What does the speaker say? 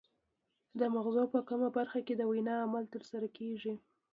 د مغزو په کومه برخه کې د وینا عمل ترسره کیږي